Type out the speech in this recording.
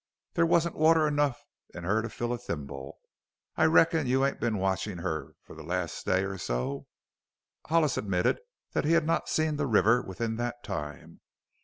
There wasn't water enough in her to fill a thimble. I reckon you ain't been watchin' her for the last day or so?" Hollis admitted that he had not seen the river within that time.